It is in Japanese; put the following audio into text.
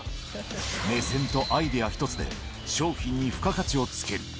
目線とアイデア１つで、商品に付加価値をつける。